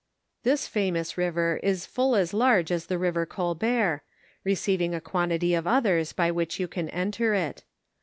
This famous river is full as large as the river Colbert, re ceiving a quantity of others by which you can enter it.